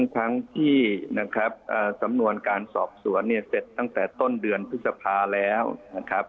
ทั้งที่นะครับสำนวนการสอบสวนเนี่ยเสร็จตั้งแต่ต้นเดือนพฤษภาแล้วนะครับ